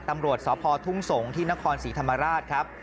ตำรวจสพทุ่งสงศ์ที่นครศรีธรรมราชครับ